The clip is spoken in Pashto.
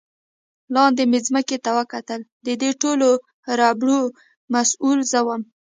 لاندې مې ځمکې ته وکتل، د دې ټولو ربړو مسؤل زه ووم.